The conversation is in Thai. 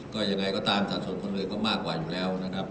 ก็ยังไงก็ตามสัดส่วนคนอื่นก็มากกว่าอยู่แล้วนะครับ